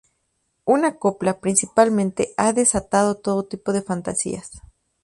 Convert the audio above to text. Una copla, principalmente, ha desatado todo tipo de fantasías.